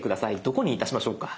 どこにいたしましょうか？